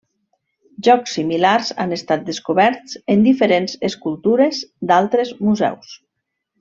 Jocs similars han estat descoberts en diferents escultures d’altres museus.